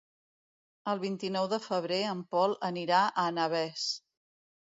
El vint-i-nou de febrer en Pol anirà a Navès.